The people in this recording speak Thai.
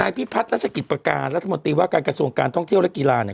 พิพัฒน์รัชกิจประการรัฐมนตรีว่าการกระทรวงการท่องเที่ยวและกีฬาเนี่ย